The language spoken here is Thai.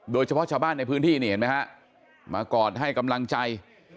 โดยเฉพาะชาวบ้านในพื้นที่นี่เห็นไหมฮะมากอดให้กำลังใจ